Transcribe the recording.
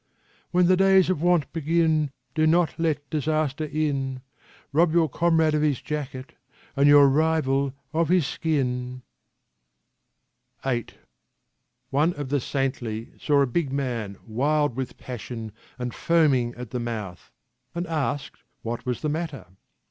" When the days of want begin, do not let disaster in : Rob your comrade of his jacket and your rival of his skin. 68 TRANSLATIONS FROM THE GULISTAN VIII One of the Saintly saw a big man wild with passion and foaming at the mouth, and asked what was the matter.